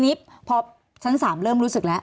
มีความรู้สึกว่ามีความรู้สึกว่า